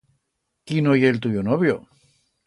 Quíno ye el tuyo novio?